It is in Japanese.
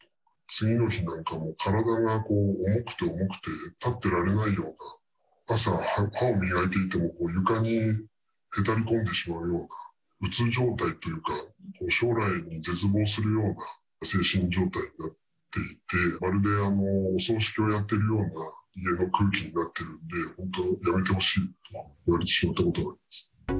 次の日なんかも体が重くて重くて、立ってられないような、朝、歯を磨いていても、床にへたり込んでしまうような、うつ状態というか、将来に絶望するような精神状態になっていって、まるでお葬式をやっているような家の空気になってるんで、本当、やめてほしいといわれてしまったことがあります。